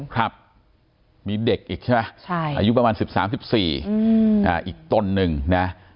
ครับมีเด็กอีกใช่ไหมอายุประมาณ๑๓๑๔อีกตนหนึ่งนะ